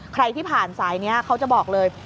ใครที่ผ่านสายนี้เขาจะบอกเลย